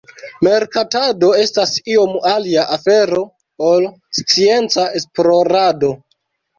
Merkatado estas iom alia afero ol scienca esplorado.